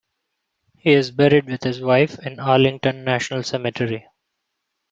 He is buried with his wife in Arlington National Cemetery.